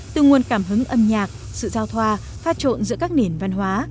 từ nguồn cảm hứng âm nhạc sự giao thoa pha trộn giữa các nền văn hóa